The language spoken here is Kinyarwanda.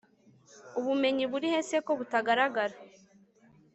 ubumenyi burihe se ko butagaragara